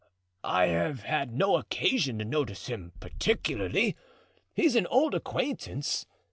I have had no occasion to notice him particularly; he's an old acquaintance.